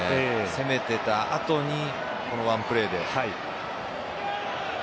攻めていた後にこのワンプレーで。